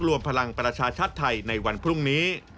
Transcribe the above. รวมพลังประชาชาติไทยในวันพรุ่งนี้